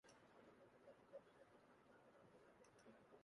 আজ তবে তোমার এখানে থাকিবার বন্দোবস্ত করিয়া দিই।